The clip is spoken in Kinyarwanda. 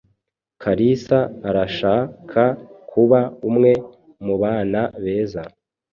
Kalisa arashaka kuba umwe mubana beza.